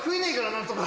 何とか。